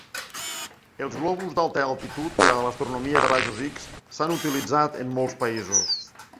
Els globus d'alta altitud per a l'astronomia de rajos X s'han utilitzat en molts països.